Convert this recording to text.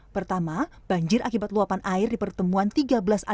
pertama banjir akibat luapan air di pertemuan tiga belas aliran sungai di selatan jakarta